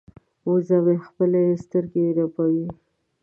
وزه مې خپلې سترګې رپوي.